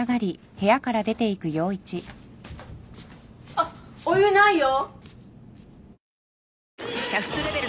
あっお湯ないよ！